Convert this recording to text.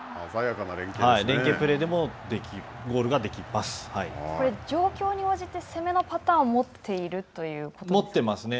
連係プレーでもゴールができま状況に応じた攻めのパターンを持っているということですか。